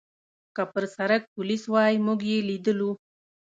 که پر سړک پولیس وای، موږ یې لیدلو.